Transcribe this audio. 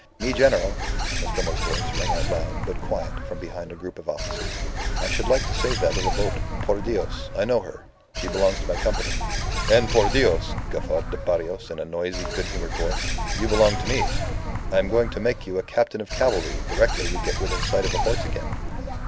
"Mi General," Nostromo's voice rang out loud, but quiet, from behind a group of officers, "I should like to save that little boat. Por Dios, I know her. She belongs to my Company." "And, por Dios," guffawed Barrios, in a noisy, good humoured voice, "you belong to me. I am going to make you a captain of cavalry directly we get within sight of a horse again."